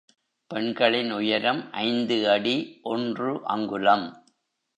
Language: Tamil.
பெண்களின் உயரம் ஐந்து அடி ஒன்று அங்குலம்.